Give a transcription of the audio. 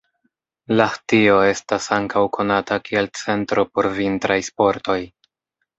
Lahtio estas ankaŭ konata kiel centro por vintraj sportoj.